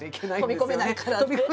飛び込めないからって。